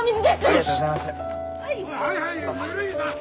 ありがとうございます。